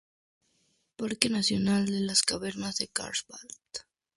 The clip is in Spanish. Parque Nacional de las Cavernas de Carlsbad